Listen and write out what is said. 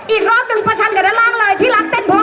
ตกตัวไม้อีรอบนึงประชันกันหน้าล่างเลยที่หลังเต้นพอกัน